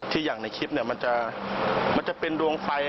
อย่างในคลิปมันจะเป็นดวงไฟ